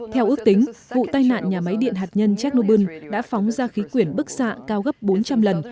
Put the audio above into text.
theo ước tính vụ tai nạn nhà máy điện hạt nhân chernobyl đã phóng ra khí quyển bức xạ cao gấp bốn trăm linh lần